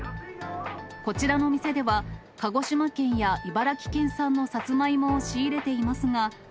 こちらの店では、鹿児島県や茨城県産のサツマイモを仕入れていますが。